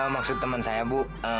maksud teman saya bu